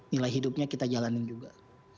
nilai hidupnya kita jalanin juga